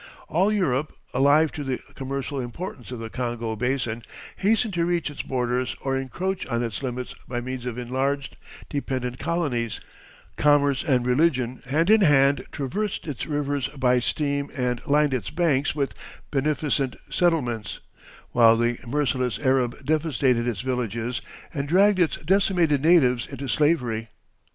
All Europe, alive to the commercial importance of the Congo Basin, hastened to reach its borders or encroach on its limits by means of enlarged dependent colonies; commerce and religion, hand in hand, traversed its rivers by steam and lined its banks with beneficent settlements, while the merciless Arab devastated its villages and dragged its decimated natives into slavery.